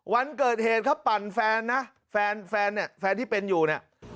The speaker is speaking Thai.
วันเกิดเหตุเขาปั่นแฟนนะแฟนแฟนเนี่ยแฟนที่เป็นอยู่เนี่ย